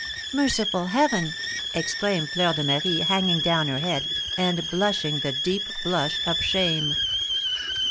"Merciful Heaven!" exclaimed Fleur de Marie, hanging down her head, and blushing the deep blush of shame.